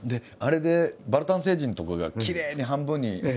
あれでバルタン星人とかがきれいに半分に。